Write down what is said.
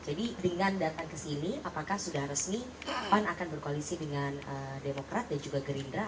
jadi dengan datang ke sini apakah sudah resmi pan akan berkoalisi dengan demokrat dan juga gerindra